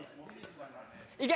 いけ！